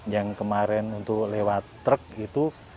yang kemarin untuk lewat truk itu